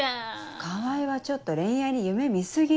川合はちょっと恋愛に夢見過ぎ。